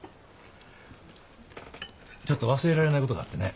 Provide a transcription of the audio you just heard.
ちょっと忘れられないことがあってね。